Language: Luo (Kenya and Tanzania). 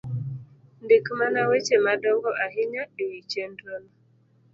Ndik mana weche madongo ahinya e wi chenro no